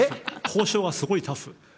交渉がすごいタフ。